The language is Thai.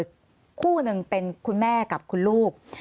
คู่หนึ่งเป็นคุณแม่กับคุณลูก